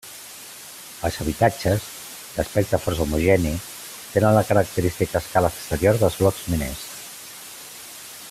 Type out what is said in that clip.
Els habitatges, d'aspecte força homogeni, tenen la característica escala exterior dels blocs miners.